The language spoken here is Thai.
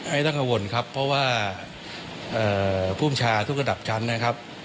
ไม่ต้องกังวลครับเพราะว่าภูมิชาทุกระดับชั้นนะครับ